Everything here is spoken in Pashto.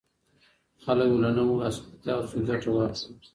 خلګ به له نويو اسانتياوو څخه ګټه اخلي.